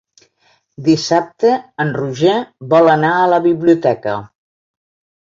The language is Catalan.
Dissabte en Roger vol anar a la biblioteca.